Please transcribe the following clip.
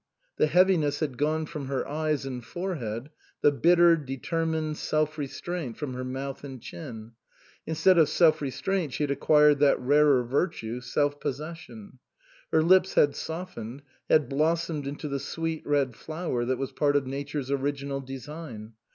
The heaviness had gone from her eyes and forehead, the bitter, determined, self re straint from her mouth and chin ; instead of self restraint she had acquired that rarer virtue, self possession. Her lips had softened, had blossomed into the sweet red flower that was part of Nature's original design.